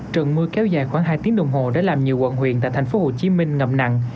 trận mưa kéo dài khoảng hai tiếng đồng hồ đã làm nhiều quận huyện tại thành phố hồ chí minh ngậm nặng